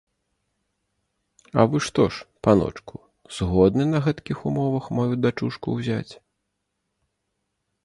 А вы што ж, паночку, згодны на гэткіх умовах маю дачушку ўзяць?